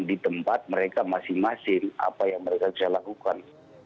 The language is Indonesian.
di tempat mereka masing masing apa yang mereka bisa lakukan